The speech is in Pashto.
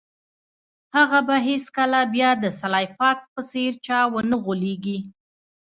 هغه به هیڅکله بیا د سلای فاکس په څیر چا ونه غولیږي